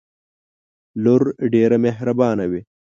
لور ډیره محربانه وی